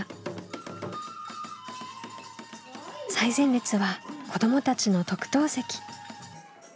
最前列は子どもたちの特等席。